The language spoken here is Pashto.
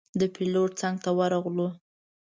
د پېلوټ څنګ ته ورغلو.